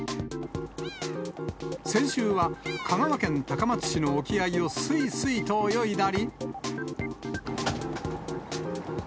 先週は、香川県高松市の沖合をすいすいと泳いだり。